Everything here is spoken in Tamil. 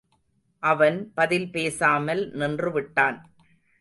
அவன் பதில் பேசாமல் நின்றுவிட்டான்.